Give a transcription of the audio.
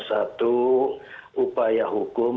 satu upaya hukum